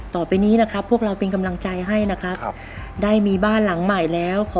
ตอนนี้นะครับครอบครัวของคุณตามบินนะครับ